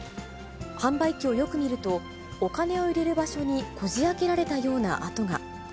販売機をよく見ると、お金を入れる場所にこじあけられたような跡が。